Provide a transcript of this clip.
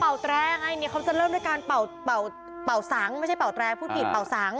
อ๋อเขาเป่าแทรงนี่ควรจะเริ่มกามเปล่าสังไม่ใช่เป่าแทรงพูดผิดเป่าสัง